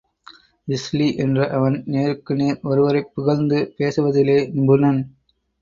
இஸ்லி என்ற அவன் நேருக்கு நேர் ஒருவரைப் புகழ்ந்து பேசுவதிலே நிபுணன்.